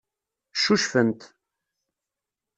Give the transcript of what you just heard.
Ccucfent.